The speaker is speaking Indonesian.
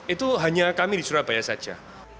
itu hanya kami di surabaya saja